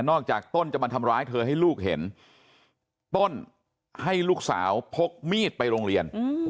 จากต้นจะมาทำร้ายเธอให้ลูกเห็นต้นให้ลูกสาวพกมีดไปโรงเรียน